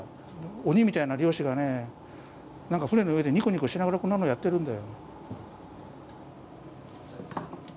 鬼みたいな漁師がね何か船の上でニコニコしながらこんなのやってるんだよ。